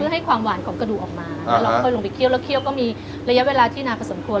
ให้ความหวานของกระดูกออกมาแล้วเราค่อยลงไปเคี่ยวแล้วเคี่ยวก็มีระยะเวลาที่นานพอสมควร